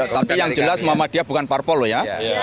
tapi yang jelas muhammadiyah bukan parpol loh ya